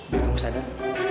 biar kamu sadar